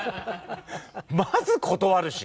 まず断るし。